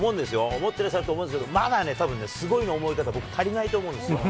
思ってると思うんですけど、まだすごいの思い方足りないと思うんですよ。